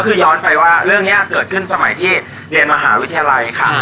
ก็คือย้อนไปว่าเรื่องนี้เกิดขึ้นสมัยที่เรียนมหาวิทยาลัยค่ะ